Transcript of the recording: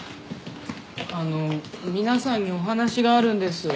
あの皆さんにお話があるんです。